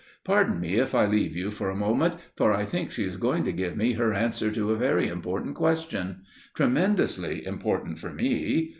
Pardon me if I leave you for a moment, for I think she is going to give me her answer to a very important question. Tremendously important for me!